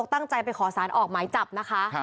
ตั้งใจไปขอสารออกหมายจับนะคะ